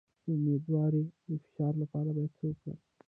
د امیدوارۍ د فشار لپاره باید څه وکړم؟